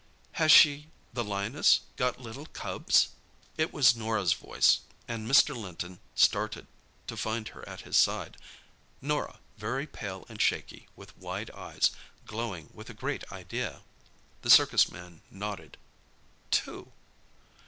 "Has she—the lioness—got little cubs?" It was Norah's voice, and Mr. Linton started to find her at his side. Norah, very pale and shaky, with wide eyes, glowing with a great idea. The circus man nodded. "Two."